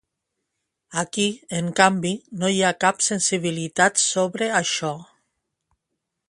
Aquí, en canvi, no hi ha cap sensibilitat sobre això.